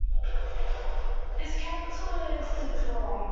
Its capital is Totora.